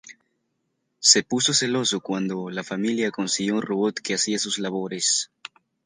Se puso celoso cuando la familia consiguió un robot que hacía sus labores.